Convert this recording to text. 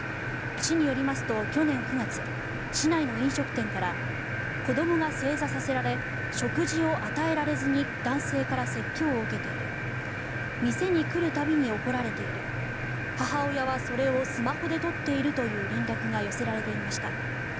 市によりますと去年９月市内の飲食店から子どもが正座させられ食事を与えられずに男性から説教を受けている店に来る度に怒られている母親はそれをスマホで撮っているという連絡が寄せられていました。